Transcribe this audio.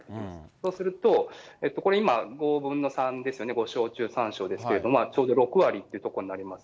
そうすると、これ今、５分の３ですよね、５床中３床ですけれども、ちょうど６割っていうところになります。